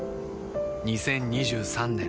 ２０２３年